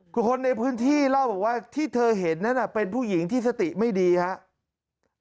คือคนในพื้นที่เล่าบอกว่าที่เธอเห็นนั้นเป็นผู้หญิงที่สติไม่ดีครับ